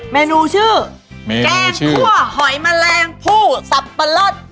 เมนูชื่อแกงคั่วหอยแมลงผู้สับปะเลอะ